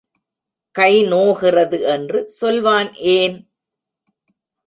கை நோகிறது என்று சொல்வான் ஏன்?